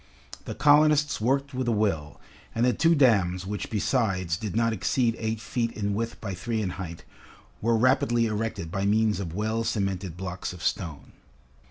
The colonists worked with a will, and the two dams which besides did not exceed eight feet in width by three in height, were rapidly erected by means of well cemented blocks of stone.